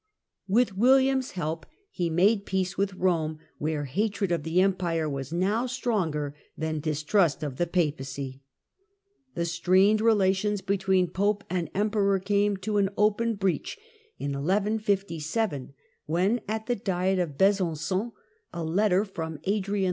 With William's help he made peace with Eome, where hatred of the Empire was now stronger than distrust of the Papacy. The strained relations between Pope and Emperor came to an open Diet of breach in 1157, when at the Diet of Besan9on a letter 1157 ' from Adrian IV.